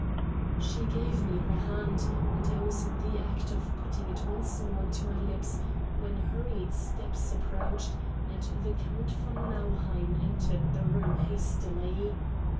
She gave me her hand, and I was in the act of putting it once more to my lips when hurried steps approached, and the Count von Nauheim entered the room hastily.